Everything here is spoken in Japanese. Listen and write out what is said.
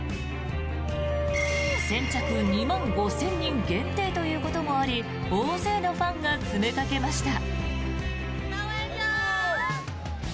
先着２万５０００人限定ということもあり大勢のファンが詰めかけました。